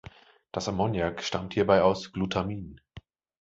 Das Ammoniak stammt hierbei aus -Glutamin.